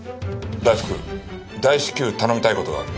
大福大至急頼みたい事がある。